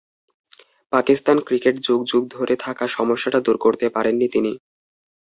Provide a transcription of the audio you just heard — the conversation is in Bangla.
পাকিস্তান ক্রিকেট যুগ যুগ ধরে থাকা সমস্যাটা দূর করতে পারেননি তিনি।